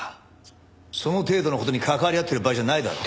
その程度の事に関わり合ってる場合じゃないだろ。